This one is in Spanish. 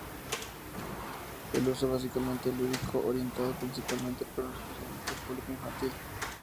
El uso es básicamente lúdico, orientado principal pero no exclusivamente al público infantil.